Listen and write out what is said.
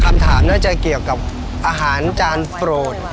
คำถามน่าจะเกี่ยวกับอาหารจานโปรด